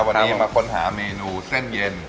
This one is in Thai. วันนี้มาค้นหาเมนูเส้นเย็น